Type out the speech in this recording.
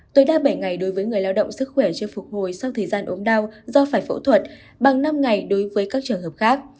tối đa bảy ngày đối với người lao động sức khỏe chưa phục hồi sau thời gian ốm đau do phải phẫu thuật bằng năm ngày đối với các trường hợp khác